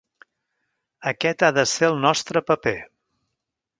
Aquest ha de ser el nostre paper.